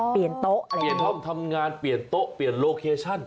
เปลี่ยนโต๊ะเปลี่ยนท้อมทำงานเปลี่ยนโต๊ะเปลี่ยนโลเคชั่น